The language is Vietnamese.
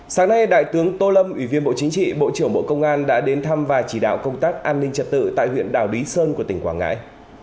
sáng nay đại tướng tô lâm ủy viên bộ chính trị bộ trưởng bộ công an đã đến thăm và chỉ đạo công tác an ninh trật tự tại huyện đảo lý sơn của tỉnh quảng ngãi